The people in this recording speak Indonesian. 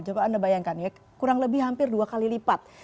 coba anda bayangkan ya kurang lebih hampir dua kali lipat